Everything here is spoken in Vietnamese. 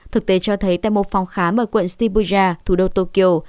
thực tế cho thấy tại một phòng khám ở quận stibuja thủ đô tokyo